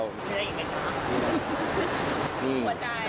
หว่าใจ